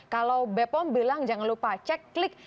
kalau bepom bilang jangan lupa cek klik